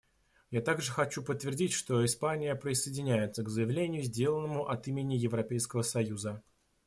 Я также хочу подтвердить, что Испания присоединяется к заявлению, сделанному от имени Европейского союза.